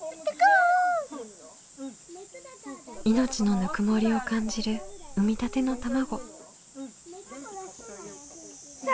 命のぬくもりを感じる産みたての卵。